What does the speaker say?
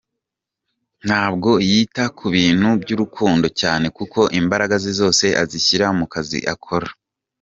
Ntabwo yita ku bintu by’urukundo cyane kuko imbaraga zose azishyra mu kazi akora.